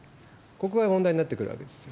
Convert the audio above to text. ここが問題になってくるわけです。